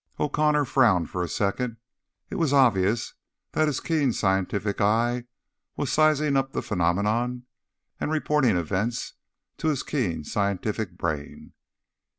O'Connor frowned for a second. It was obvious that his keen scientific eye was sizing up the phenomenon, and reporting events to his keen scientific brain.